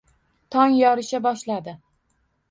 Tong yorisha boshladi